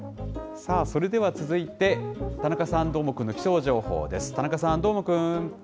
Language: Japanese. さあ、それでは続いて田中さん、どーもくんの気象情報です。